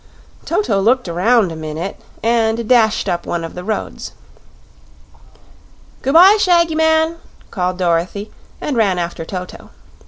Toto looked around a minute and dashed up one of the roads. "Good bye, Shaggy Man," called Dorothy, and ran after Toto.